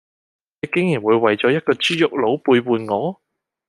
你竟然會為咗一個豬肉佬背叛我